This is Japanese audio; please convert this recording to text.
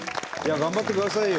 頑張ってくださいよ！